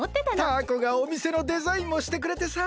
タアコがおみせのデザインもしてくれてさ。